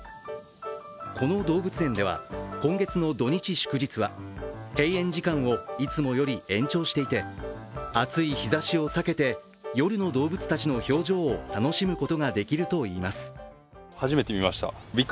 この動物園では今月の土日祝日は閉園時間をいつもより延長していて暑い日ざしを避けて夜の動物たちの表情を楽しむことができるといいます。